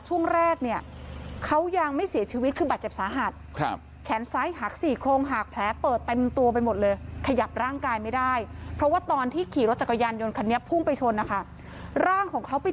ช่วงแรกเนี้ยเขายังไม่เสียชีวิตคือบาดเจ็บสาหัสครับ